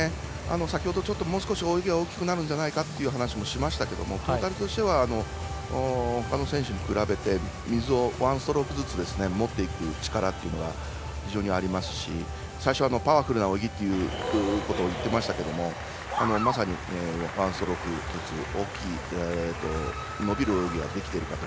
先ほど、もう少し泳ぎが大きくなるんじゃないかと話もしましたけどもトータルとしてはほかの選手と比べて水をワンストロークずつ持っていく力というのが非常にありますし、最初はパワフルな泳ぎということを言っていましたけどもまさにワンストロークずつ大きい伸びる泳ぎができていると